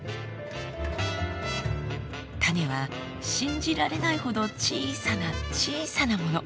種は信じられないほど小さな小さなもの。